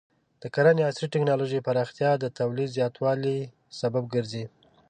د کرنې د عصري ټکنالوژۍ پراختیا د تولید زیاتوالي سبب ګرځي.